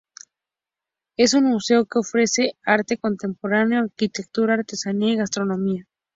Es un museo que ofrece arte contemporáneo, arquitectura, artesanía y gastronomía.